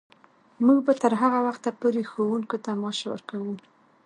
موږ به تر هغه وخته پورې ښوونکو ته معاش ورکوو.